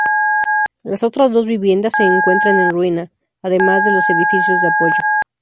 Las otras dos viviendas se encuentran en ruina, además de los edificios de apoyo.